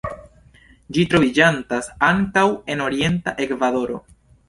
Ĝi troviĝantas ankaŭ en orienta Ekvadoro.